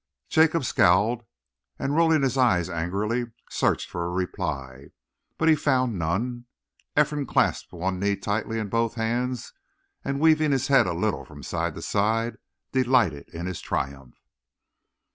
Jacob scowled, and rolling his eyes angrily, searched for a reply; but he found none. Ephraim clasped one knee tightly in both hands, and weaving his head a little from side to side, delighted in his triumph.